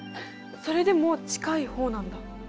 それでも近い方なんだ。